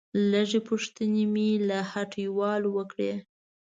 لږې پوښتنې مې له هټيوالو وکړې.